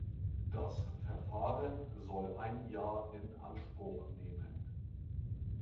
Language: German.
Das Verfahren soll ein Jahr in Anspruch nehmen.